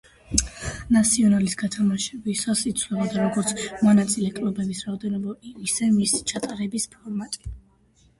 ნასიონალის გათამაშებისას იცვლებოდა როგორც მონაწილე კლუბების რაოდენობა, ისე მისი ჩატარების ფორმატი.